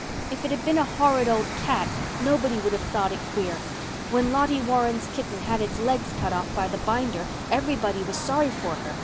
If it had been a horrid old cat nobody would have thought it queer. When Lottie Warren's kitten had its legs cut off by the binder everybody was sorry for her.